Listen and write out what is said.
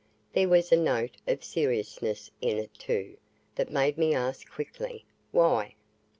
There was a note of seriousness in it, too, that made me ask quickly, "Why?"